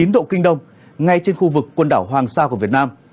một trăm một mươi một chín độ kinh đông ngay trên khu vực quần đảo hoàng sa của việt nam